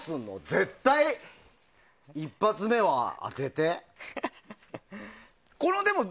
絶対一発目は当てて。